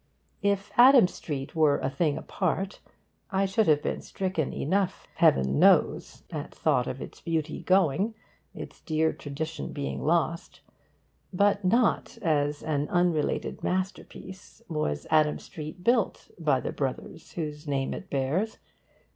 If Adam Street were a thing apart I should have been stricken enough, heaven knows, at thought of its beauty going, its dear tradition being lost. But not as an unrelated masterpiece was Adam Street built by the Brothers whose name it bears.